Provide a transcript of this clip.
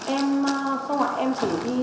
em chào chị ạ